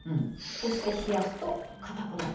そして冷やすと硬くなる。